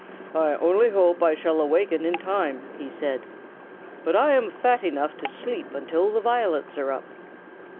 "I only hope I shall awaken in time," he said, "but I am fat enough to sleep until the violets are up."